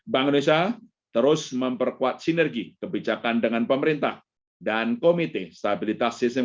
bank indonesia terus memperkuat sinergi kebijakan dengan pemerintah dan komite stabilitas sistem